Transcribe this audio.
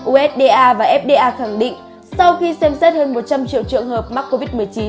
usda và fda khẳng định sau khi xem xét hơn một trăm linh triệu trường hợp mắc covid một mươi chín